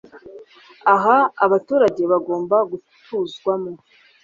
aba abaturage bagomba gutuzwamo,